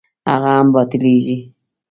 هغه هم باطلېږي.